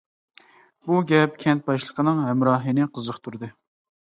بۇ گەپ كەنت باشلىقىنىڭ ھەمراھىنى قىزىقتۇردى.